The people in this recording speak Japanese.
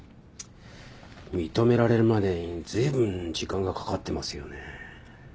認められるまでにずいぶん時間がかかってますよね？